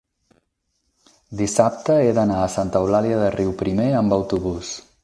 dissabte he d'anar a Santa Eulàlia de Riuprimer amb autobús.